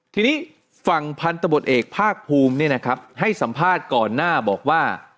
ทีนี้ฝั่งพันธบทเอกภาคภูมิให้สัมภาษณ์ก่อนหน้าบอกว่า